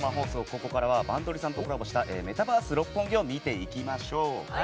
ここからは「バンドリ！」さんとコラボしたメタバース六本木を見ていきましょう。